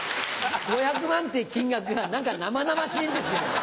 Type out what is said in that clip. ５００万って金額が何か生々しいんですよ。